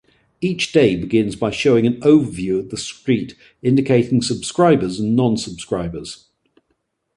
Each day begins by showing an overview of the street indicating subscribers and non-subscribers.